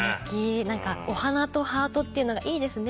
お花とハートっていうのがいいですね。